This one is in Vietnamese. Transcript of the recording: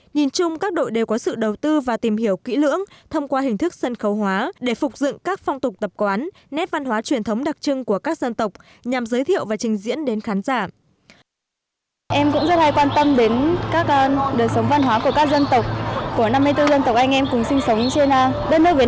nhìn chung các đội đều có sự đầu tư và tìm hiểu kỹ lưỡng thông qua hình thức sân khấu hóa để phục dựng các phong tục tập quán nét văn hóa truyền thống đặc trưng của các dân tộc nhằm giới thiệu và trình diễn đến khán giả